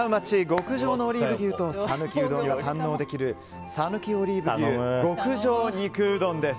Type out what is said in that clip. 極上のオリーブ牛と讃岐うどんを堪能できる讃岐オリーブ牛極上肉うどんです。